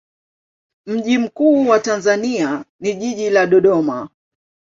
Mji mkuu wa Tanzania ni jiji la Dodoma.